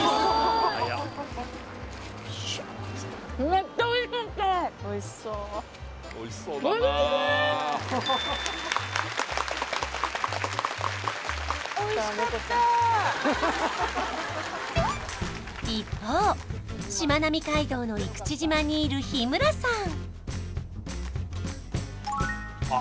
めっちゃおいしいです・ハハハハ一方しまなみ海道の生口島にいる日村さん